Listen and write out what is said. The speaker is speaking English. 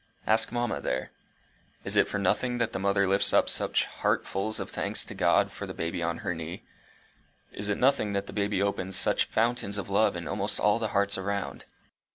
Ask mamma there. Is it for nothing that the mother lifts up such heartfuls of thanks to God for the baby on her knee? Is it nothing that the baby opens such fountains of love in almost all the hearts around?